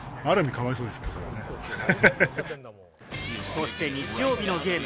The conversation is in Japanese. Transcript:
そして日曜日のゲーム。